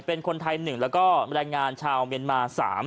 เป็นคนไทย๑แล้วก็แรงงานชาวเมียนมา๓